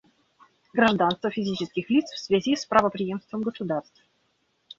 Гражданство физических лиц в связи с правопреемством государств.